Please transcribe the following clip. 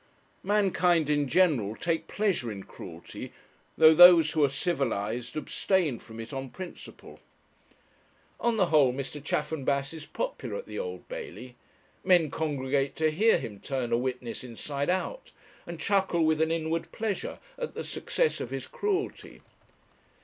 Mankind in general take pleasure in cruelty, though those who are civilized abstain from it on principle. On the whole Mr. Chaffanbrass is popular at the Old Bailey. Men congregate to hear him turn a witness inside out, and chuckle with an inward pleasure at the success of his cruelty.